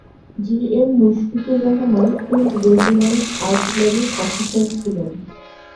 জি M Mushfiqur Rahman field regiment আর্টিলারির officer ছিলেন।